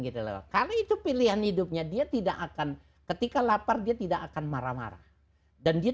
gitu loh karena itu pilihan hidupnya dia tidak akan ketika lapar dia tidak akan marah marah dan dia